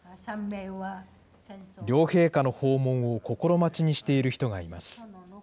両陛下の訪問を心待ちにしている人がいます。